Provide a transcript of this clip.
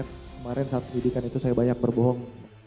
kemarin saat penyidikan itu saya banyak berbohong